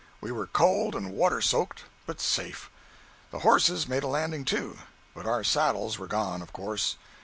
We were cold and water soaked, but safe. The horses made a landing, too, but our saddles were gone, of course.